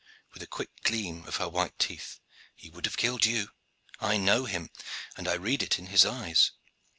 with a quick gleam of her white teeth. "He would have killed you. I know him, and I read it in his eyes.